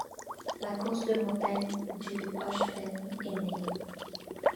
La course de montagne du Hochfelln est née.